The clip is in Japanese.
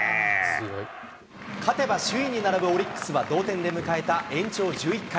勝てば首位に並ぶオリックスは同点で迎えた延長１１回。